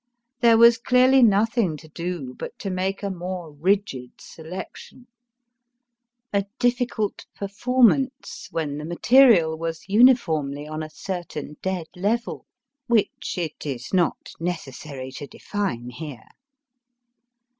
There was clearly nothing to do but to make a more rigid selection a difficult performance when the material was uniformly on a certain dead level, which it is 262 MY FIRST BOOK not necessary to define here.